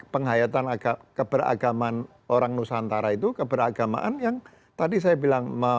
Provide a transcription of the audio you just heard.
penghayatan keberagaman orang nusantara itu keberagamaan yang tadi saya bilang